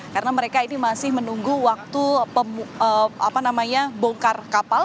karena mereka ini masih menunggu waktu bongkar kapal